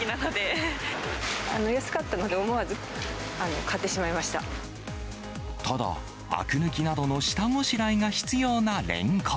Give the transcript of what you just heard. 安かったので、思わず買ってただ、あく抜きなどの下ごしらえが必要なレンコン。